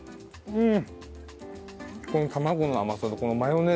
うん。